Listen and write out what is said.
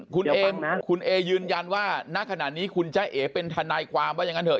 คุณเอคุณเอยืนยันว่าณขณะนี้คุณจ้าเอ๋เป็นทนายความว่าอย่างนั้นเถ